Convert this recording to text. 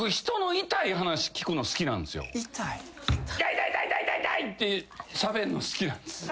痛い痛い痛い！ってしゃべんの好きなんです。